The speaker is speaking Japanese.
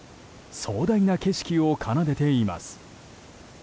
壮大な景色を奏でています。